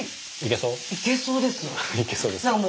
いけそうですか。